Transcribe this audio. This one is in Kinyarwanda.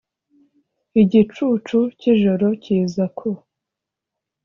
igicucu cyijoro kiza ku ..